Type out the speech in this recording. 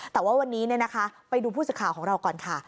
แต่ว่าวันนี้ไปดูผู้สื่อข่าวของเราก่อนค่ะ